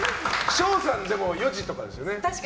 翔さん、４時とかですよね。